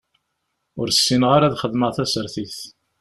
Ur ssineɣ ara ad xedmeɣ tasertit.